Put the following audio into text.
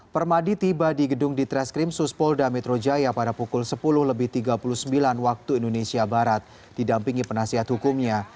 permadi tiba di gedung di treskrim suspolda metro jaya pada pukul sepuluh lebih tiga puluh sembilan waktu indonesia barat didampingi penasihat hukumnya